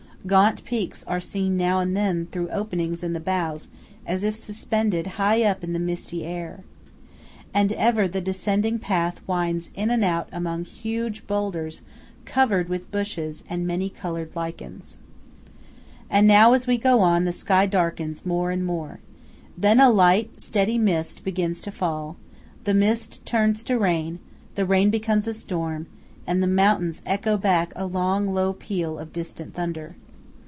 Gaunt peaks are seen now and then through openings in the boughs, as if suspended high up in the misty air. And ever the descending path winds in and out among huge boulders covered with bushes and many coloured lichens. And now, as we go on, the sky darkens more and more. Then a light steady mist begins to fall; the mist turns to rain; the rain becomes a storm; and the mountains echo back a long low peal of distant thunder.